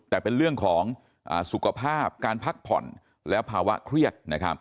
แต่เป็นเรื่องของสุขภาพการพักผ่อนและภาวะเครียด